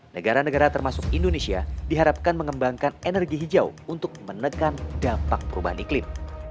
negara negara termasuk indonesia diharapkan mengembangkan energi hijau untuk menekan dampak perubahan iklim